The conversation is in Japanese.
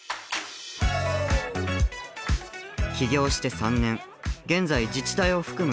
起業して３年現在自治体を含む